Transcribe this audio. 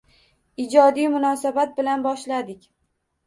Ijodiy munosabat bilan boshladik.